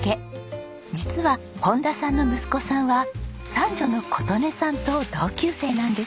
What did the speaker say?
実は本多さんの息子さんは三女の琴音さんと同級生なんです。